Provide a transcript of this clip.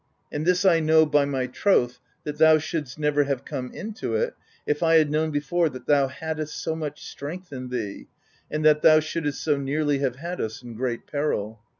And this I know, by my troth! that thou shouldst never have come into it, if I had known before that thou haddest so much strength in thee, and that thou shouldst so nearly have had us in great peril.